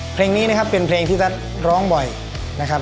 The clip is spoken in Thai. เพลงนี้นะครับเป็นเพลงที่ตัสร้องบ่อยนะครับ